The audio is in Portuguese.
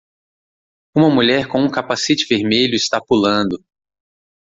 Uma mulher com um capacete vermelho está pulando.